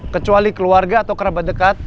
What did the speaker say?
kecuali keluarga atau kerabat dekat